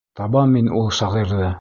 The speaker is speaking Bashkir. Табам мин ул шағирҙы.